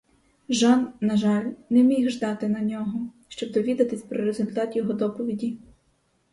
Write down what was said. Жан, на жаль, не міг ждати на нього, щоб довідатись про результат його доповіді.